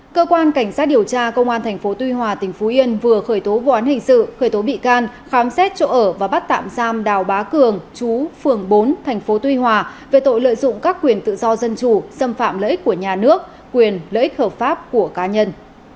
cơ quan cảnh sát điều tra công an tp tuy hòa tỉnh phú yên vừa khởi tố vụ án hình sự khởi tố bị can khám xét chỗ ở và bắt tạm giam đào bá cường chú phường bốn thành phố tuy hòa về tội lợi dụng các quyền tự do dân chủ xâm phạm lợi ích của nhà nước quyền lợi ích hợp pháp của cá nhân